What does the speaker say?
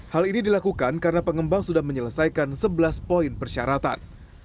hal ini dilakukan karena pengembang sudah menyelesaikan sebelas poin persyaratan